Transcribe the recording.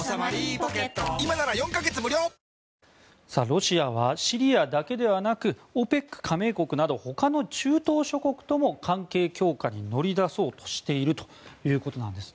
ロシアはシリアだけではなくＯＰＥＣ加盟国など他の中東諸国とも関係強化に乗り出そうとしているということなんです。